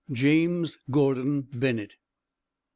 JAMES GORDON BENNETT.